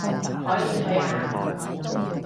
可以退下